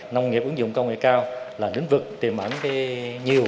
nông nghiệp ứng dụng công nghệ cao là lĩnh vực tiềm ẩn nhiều